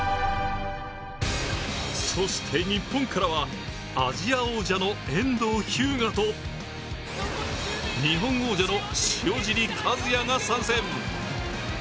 そして日本からはアジア王者の遠藤日向と日本王者の塩尻和也が参戦。